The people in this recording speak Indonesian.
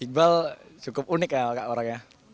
iqbal cukup unik ya orangnya